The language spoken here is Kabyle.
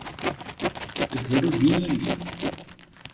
Bru-d i yilli!